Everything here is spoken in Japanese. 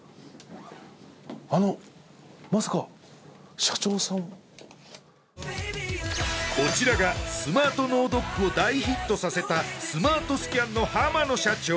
あのまさかこちらがスマート脳ドックを大ヒットさせたスマートスキャンの濱野社長